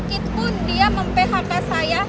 sakit pun dia mem phk saya